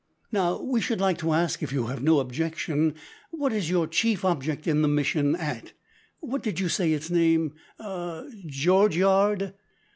"Now, we should like to ask, if you have no objection, what is your chief object in the mission at what did you say its name ah! George Yard?"